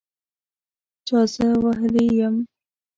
چا زه وهلي یم